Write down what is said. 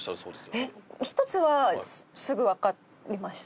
１つはすぐわかりました。